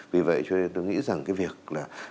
vì vậy cho nên tôi nghĩ rằng cái việc là